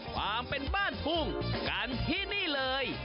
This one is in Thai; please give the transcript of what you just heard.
ความเป็นบ้านทุ่งกันที่นี่เลย